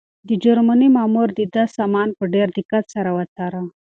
د جرمني مامور د ده سامان په ډېر دقت سره وڅاره.